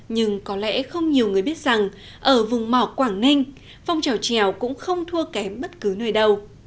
nhưng có lẽ không nhiều người biết rằng ở vùng mỏ quảng ninh phong trèo trèo cũng không thua kém bất cứ nơi đâu